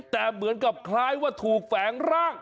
แต่เหมือนกับคล้ายว่าถูกแฝงร่าง